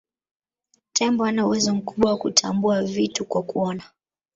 Tembo hana uwezo mkubwa wa kutambua vitu kwa kuona